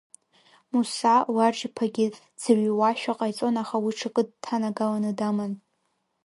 Муса Лаџ-иԥагьы дӡырҩуашәа ҟаиҵон, аха уи ҽакы дҭанагаланы даман.